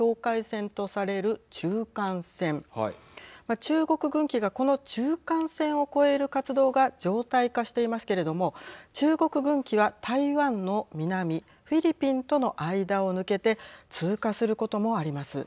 中国軍機がこの中間線を越える活動が常態化していますけれども中国軍機は台湾の南フィリピンとの間を抜けて通過することもあります。